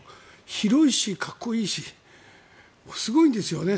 広いし、かっこいいしすごいんですよね